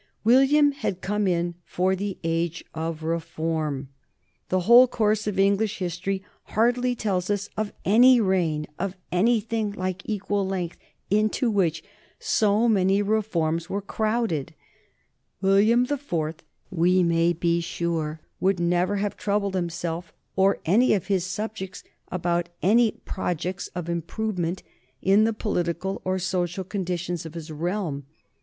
William had come in for the age of reform. The whole course of English history hardly tells us of any reign, of anything like equal length, into which so many reforms were crowded. William the Fourth, we may be sure, would never have troubled himself or any of his subjects about any projects of improvement in the political or social conditions of his realm.